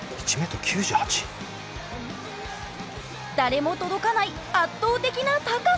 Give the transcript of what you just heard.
誰も届かない圧倒的な高さ！